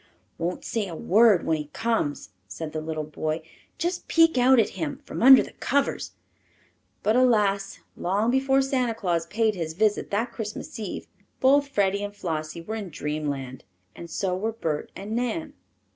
"Won't say a word when he comes," said the little boy. "Just peek out at him from under the covers." But alas! long before Santa Claus paid his visit that Christmas Eve both Freddie and Flossie were in dreamland, and so were Bert and Nan.